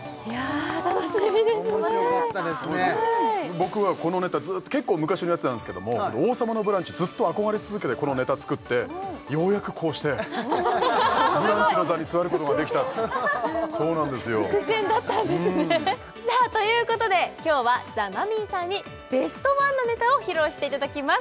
僕はこのネタ結構昔のやつなんですけども「王様のブランチ」ずっと憧れ続けてこのネタ作ってようやくこうしてブランチの座に座ることができたそうなんですよ・伏線だったんですねさあということで今日はザ・マミィさんにベストワンなネタを披露していただきます